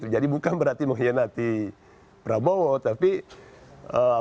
jadi ketanyaannya adalah